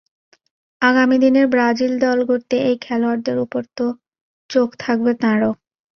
আগামী দিনের ব্রাজিল দল গড়তে এই খেলোয়াড়দের ওপর তো চোখ থাকবে তাঁরও।